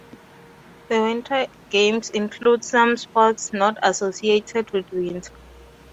The winter games include some sports not associated with winter.